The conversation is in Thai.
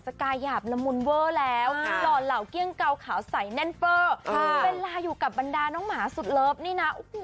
ต้องให้ฉันพูดเรื่องอยากเป็นหมาเนี่ย